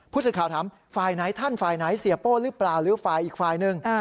ผู้สื่อข่าวถามฝ่ายไหนท่านฝ่ายไหนเสียโป้หรือเปล่าหรือฝ่ายอีกฝ่ายหนึ่ง